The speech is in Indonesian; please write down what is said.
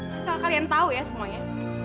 asal kalian tahu ya semuanya